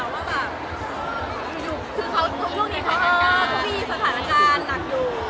ว่าแบบอยู่คือพวกนี้เขาเออมันมีสถานการณ์หนักอยู่